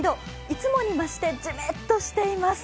いつもに増してジメッとしています。